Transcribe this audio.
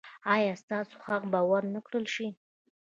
ایا ستاسو حق به ور نه کړل شي؟